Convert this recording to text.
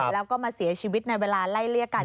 แล้วก็มาเสียชีวิตในเวลาไล่เลี่ยกัน